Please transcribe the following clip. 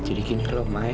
jadi gini loh mai